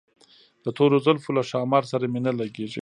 د تورو زلفو له ښامار سره مي نه لګیږي